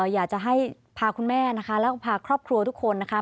อยากจะให้พาคุณแม่นะคะแล้วก็พาครอบครัวทุกคนนะคะ